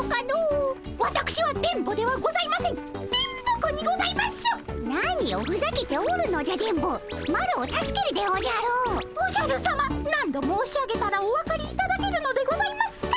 おじゃるさま何度申し上げたらお分かりいただけるのでございますか。